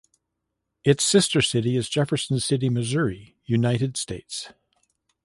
Its sister city is Jefferson City, Missouri, United States.